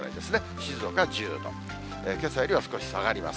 静岡１０度、けさよりは少し下がります。